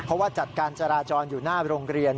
เพราะว่าจัดการจราจรอยู่หน้าโรงเรียน